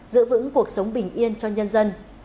giữ vững cuộc sống bình yên cho nhân dân